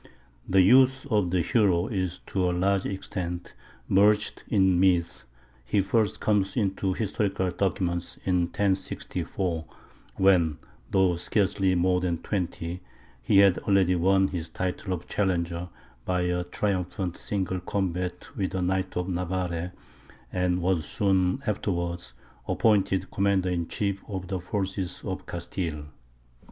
The youth of the hero is, to a large extent, merged in myth; he first comes into historical documents in 1064, when, though scarcely more than twenty, he had already won his title of Challenger by a triumphant single combat with a knight of Navarre, and was soon afterwards appointed commander in chief of the forces of Castile.